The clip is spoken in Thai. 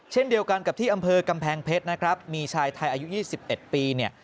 เช่นเดียวกันกับที่อำเภอกำแพงเพชรนะครับมีชายไทยอายุ๒๑ปีเนี่ย